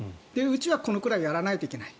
うちはこれくらいやらないといけない。